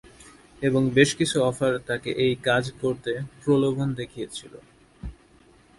এবং বেশ কিছু অফার তাকে এই কাজ করতে প্রলোভন দেখিয়েছিল।